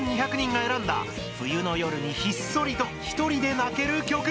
３２００人が選んだ「冬の夜にひっそりとひとりで泣ける曲」。